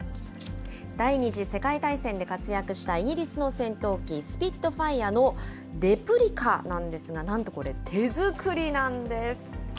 第２次世界大戦で活躍したイギリスの戦闘機、スピットファイアのレプリカなんですが、なんとこれ、手作りなんです。